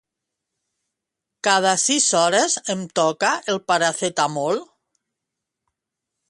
Cada sis hores em toca el Paracetamol?